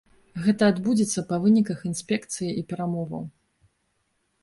Гэта адбудзецца па выніках інспекцыі і перамоваў.